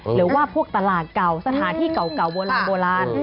หรือว่าพวกตลาดเก่าสถานที่เก่าโบราณ